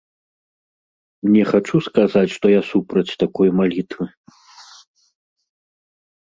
Не хачу сказаць, што я супраць такой малітвы.